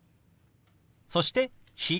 そして「日」。